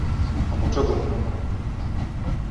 Omutwe gunnuma